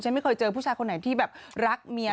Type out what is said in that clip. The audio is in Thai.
ไม่เคยเจอผู้ชายคนไหนที่แบบรักเมีย